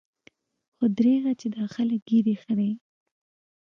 خو درېغه چې دا خلق ږيرې خريي.